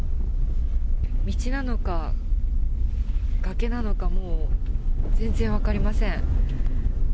道なのか、崖なのか、もう全然分かりません。